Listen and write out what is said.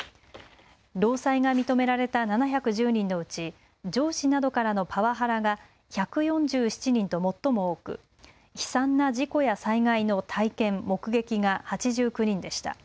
労災が認められた７１０人のうち上司などからのパワハラが１４７人と最も多く、悲惨な事故や災害の体験、目撃が８９人でした。